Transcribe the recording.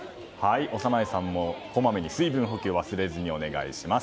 小山内さんもこまめに水分補給を忘れずにお願いします。